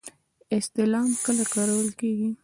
استعلام کله کارول کیږي؟